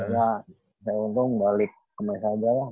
ya saya untung balik ke mes aja ya